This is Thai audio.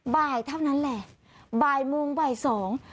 บ่ายเท่านั้นแหละบ่ายโมงบ่ายสอง